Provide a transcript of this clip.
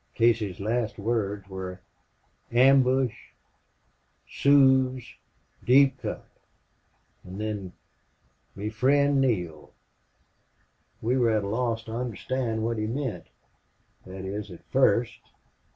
Casey's last words were 'ambush Sooz ' Deep Cut,' and then 'me fri'nd Neale!'... We were at a loss to understand what he meant that is, at first.